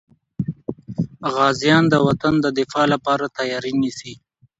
غازیان د وطن د دفاع لپاره تیاري نیسي.